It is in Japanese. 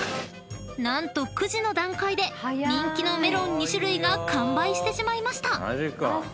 ［何と９時の段階で人気のメロン２種類が完売してしまいました］